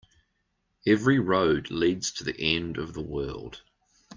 Every road leads to the end of the world.